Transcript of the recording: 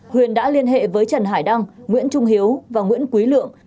huyền đã liên hệ với trần hải đăng nguyễn trung hiếu và nguyễn quý lượng